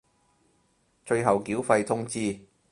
最後繳費通知